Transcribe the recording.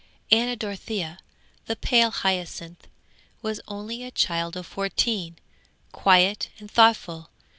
'Anna Dorothea, the pale hyacinth, was only a child of fourteen, quiet and thoughtful.